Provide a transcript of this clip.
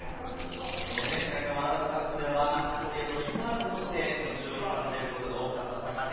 前回ワールドカップでは堀江のリザーブとして出ることが多かった坂手。